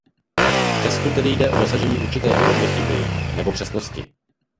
V testu tedy jde o dosažení určité úrovně chyby nebo přesnosti.